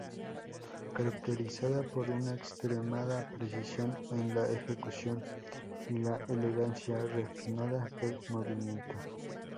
Caracterizada por una extremada precisión en la ejecución y la elegancia refinada del movimiento.